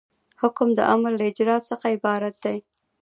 حکم د امر له اجرا څخه عبارت دی.